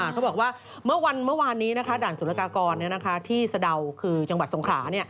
เขาบอกว่าเมื่อวานนี้ด่านสุรกากรที่สะดาวคือจังหวัดสงขรา